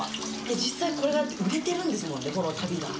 実際、これが売れてるんですもんね、この旅が。